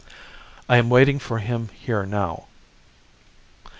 "I am waiting for him here now.